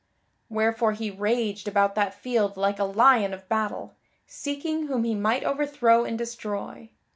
Wherefore he raged about that field like a lion of battle, seeking whom he might overthrow and destroy.